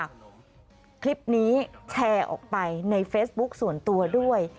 คลิปนี้แชร์ออกไปในเฟซบุ๊คส่วนตัวด้วย